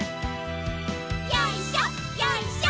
よいしょよいしょ。